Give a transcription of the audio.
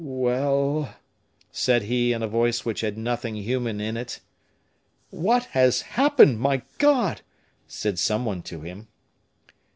"Well," said he, in a voice which had nothing human in it. "What has happened, my God!" said some one to him.